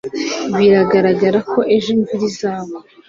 Biragaragara ko ejo imvura izagwa.